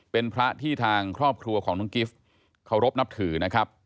เป็นพระที่ทางครอบครัวของน้องกิฟต์เคารพนับถือนะครับ